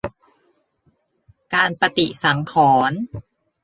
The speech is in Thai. การปฏิสังขรณ์